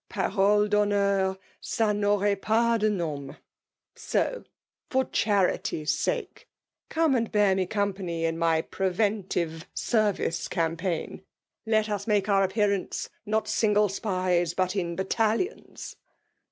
Parole d^honneur, ga n^aurait pus de nam^ So, for charity sake, come and bear me com pany in my preventive service campaign. Let us make our appearance —' not single spies, but in battalions